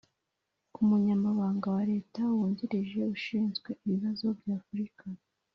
umunyabanga wa leta wungirije ushinzwe ibibazo by'afurika.